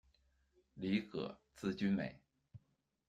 李革，字君美。